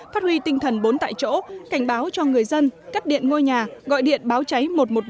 phát huy tinh thần bốn tại chỗ cảnh báo cho người dân cắt điện ngôi nhà gọi điện báo cháy một trăm một mươi ba